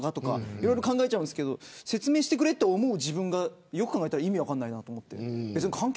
いろいろ考えちゃいますけど説明してくれと思う自分がよく考えたら意味分からないなと思って。